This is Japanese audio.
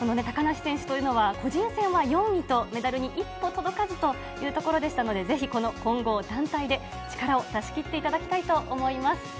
高梨選手というのは、個人戦は４位と、メダルに一歩届かずというところでしたので、ぜひこの混合団体で力を出し切っていただきたいと思います。